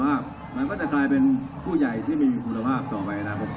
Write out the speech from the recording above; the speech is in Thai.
มันก็จะกลายเป็นผู้ใหญ่ที่มีคุณภาพต่อไปนะครับผม